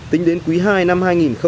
tính đến quý ii năm hai nghìn một mươi năm